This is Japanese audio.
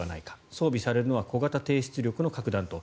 装備されるのは小型低出力の核弾頭。